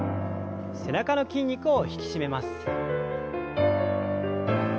背中の筋肉を引き締めます。